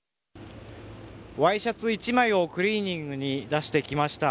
ワイシャツ１枚をクリーニングに出してきました。